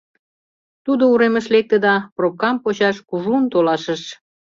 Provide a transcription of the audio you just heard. Тудо уремыш лекте да пробкам почаш кужун толашыш.